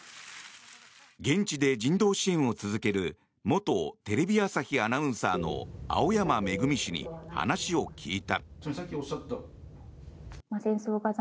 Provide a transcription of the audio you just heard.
現地で人道支援を続ける元テレビ朝日アナウンサーの青山愛氏に話を聞いた。